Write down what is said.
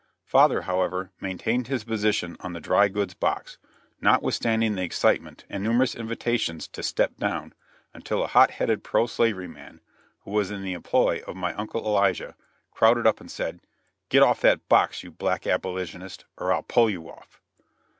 Father, however, maintained his position on the dry goods box, notwithstanding the excitement and the numerous invitations to step down, until a hot headed pro slavery man, who was in the employ of my Uncle Elijah, crowded up and said: "Get off that box, you black abolitionist, or I'll pull you off."